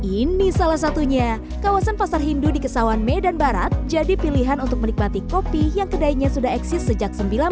ini salah satunya kawasan pasar hindu di kesawan medan barat jadi pilihan untuk menikmati kopi yang kedainya sudah eksis sejak seribu sembilan ratus sembilan puluh